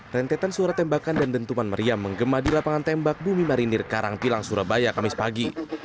rentetan suara tembakan dan dentuman meriam menggema di lapangan tembak bumi marinir karangpilang surabaya kamis pagi